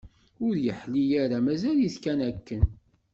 Ur yeḥli ara, mazal-it kan akken.